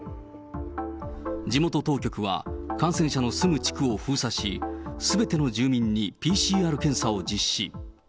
地元当局は感染者の住む地区を封鎖し、すべての住民にＰＣＲ検査を実施。